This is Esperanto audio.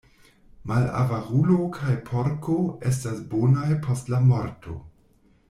Malavarulo kaj porko estas bonaj post la morto.